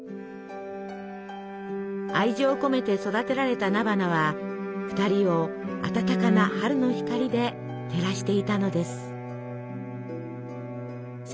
愛情込めて育てられた菜花は２人を暖かな春の光で照らしていたのです。